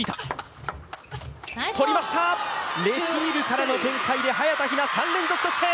レシーブからの展開で早田ひな、３連続得点。